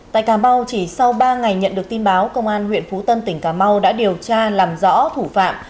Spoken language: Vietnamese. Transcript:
tại cà mau chỉ sau ba ngày nhận được tin báo công an huyện phú tân tỉnh cà mau đã điều tra làm rõ thủ phạm